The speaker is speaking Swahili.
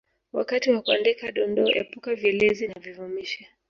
Wakati wa kuandika Dondoo epuka vielezi na vivumishi